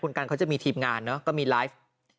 คุณกันเขาจะมีทีมงานเนอะก็มีไลฟ์